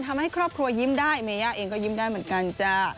ทำให้ครอบครัวยิ้มได้เมย่าเองก็ยิ้มได้เหมือนกันจ้า